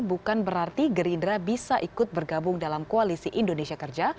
bukan berarti gerindra bisa ikut bergabung dalam koalisi indonesia kerja